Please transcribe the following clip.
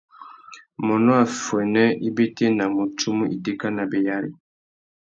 Mônô affuênê i bétēnamú tsumu itéka nabéyari.